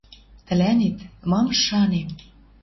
Тӹлӓнет, мам шанем